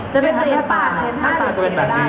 จะเป็นเตรียมป่าเตรียมผ้าจะเป็นแบบนี้